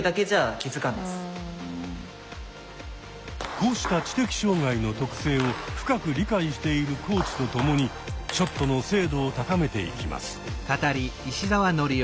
こうした知的障害の特性を深く理解しているコーチと共にショットの精度を高めていきます。